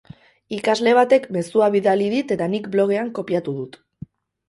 Ikasle batek mezua bidali dit eta nik blogean kopiatu dut.